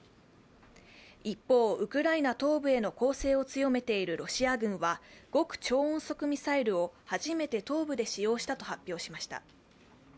一方、ウクライナ東部への攻勢を強めているロシア軍は極超音速ミサイルを初めて東部で使用したと発表しました。